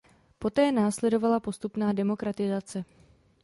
Poté následovala postupná demokratizace.